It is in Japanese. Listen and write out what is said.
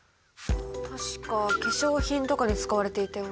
確か化粧品とかに使われていたような。